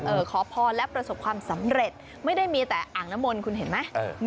เอ่อขอพอและประสบความสำเร็จไม่ได้มีแต่อังนมลคุณเห็นไหม